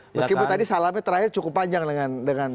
meskipun tadi salamnya terakhir cukup panjang dengan